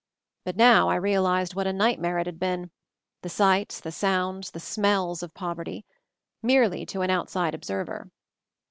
But now I realized what a nightmare it had been — the sights, the sounds, the smells of poverty — merely to an outside observer.